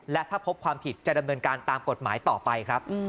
และถ้าพบความผิดจะดำเนินการตามกฎหมายต่อไปครับ